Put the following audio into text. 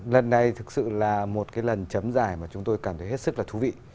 lần này thực sự là một cái lần chấm giải mà chúng tôi cảm thấy hết sức là thú vị